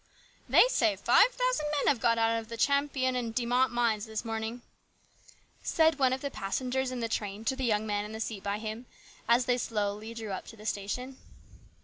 " r I ^H E Y say five thousand men have gone out of 1 the Champion and De Mott mines this morning," said one of the passengers in the train to the young man in the seat by him, as they slowly drew up to the station.